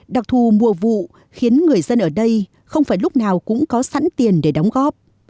đặc thù mùa vụ khiến người dân ở đây không phải lúc nào cũng có sẵn tiền để đóng góp